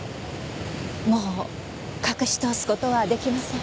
もう隠し通す事は出来ません。